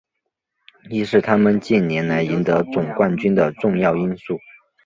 亦是他们近年来赢得总冠军的重要因素。